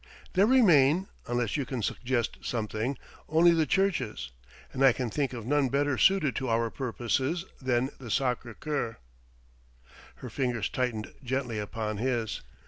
There remain unless you can suggest something only the churches; and I can think of none better suited to our purposes than the Sacré Cour." Her fingers tightened gently upon his.